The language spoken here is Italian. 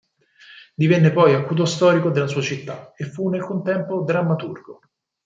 Divenne poi acuto storico della sua città, e fu nel contempo drammaturgo.